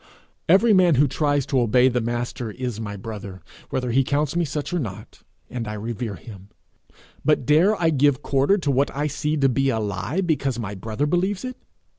Every man who tries to obey the Master is my brother, whether he counts me such or not, and I revere him; but dare I give quarter to what I see to be a lie, because my brother believes it?